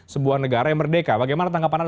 sebuah negara yang merdeka bagaimana tanggapan anda